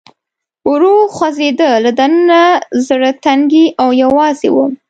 ورو خوځېده، له دننه زړه تنګی او یوازې ووم.